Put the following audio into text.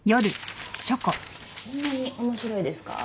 そんなに面白いですか？